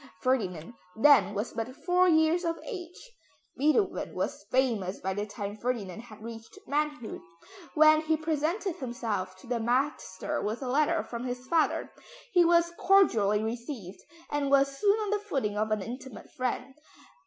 Ferdinand then was but four years of age. Beethoven was famous by the time Ferdinand had reached manhood; when he presented himself to the master with a letter from his father, he was cordially received, and was soon on the footing of an intimate friend.